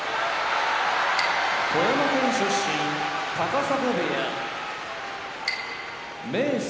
富山県出身高砂部屋明生